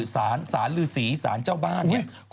สานรึสีสานเจ้าบ้าน